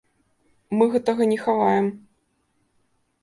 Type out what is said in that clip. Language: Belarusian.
Мы гэтага не хаваем.